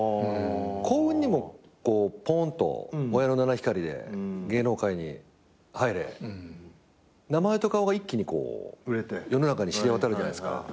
幸運にもこうぽーんと親の七光りで芸能界に入れ名前と顔が一気にこう世の中に知れ渡るじゃないですか。